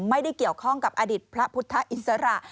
ไม่ได้เกี่ยวข้องกับอดีตพระพุทธอิสระ